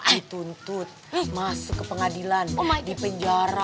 dituntut masuk ke pengadilan di penjara